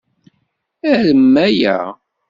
Arem aya.